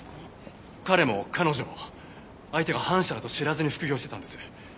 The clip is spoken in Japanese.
彼も彼女も相手が反社だと知らずに副業してたんです。